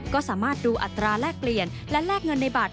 ก็สามารถดูอัตราแลกเปลี่ยนและแลกเงินในบัตร